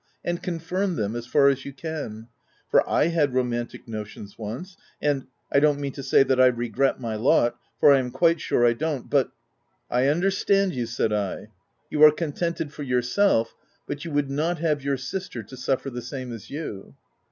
and confirm them, as far as you can ; for / had romantic notions once, and I don't mean to say that I regret my lot, for I am quite sure I don't— but —" u I understand you," said I ;" you are con tented for yourself, but you would not have your sister to suffer the same as you."